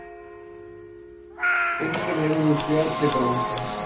Es Ingeniero Industrial de profesión.